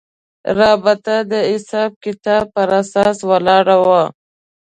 رابطه د حساب کتاب پر اساس ولاړه وه.